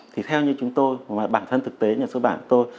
thì theo như chúng tôi bản thân thực tế nhà sơ bản tôi